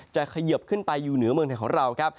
เขยิบขึ้นไปอยู่เหนือเมืองไทยของเราครับ